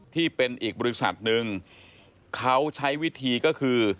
ที่เป็นอีกบริษัทหนึ่งเขาใช้วิธีก็คือ